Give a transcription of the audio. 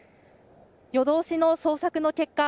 夜通しの捜索の結果